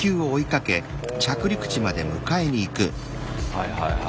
はいはいはい。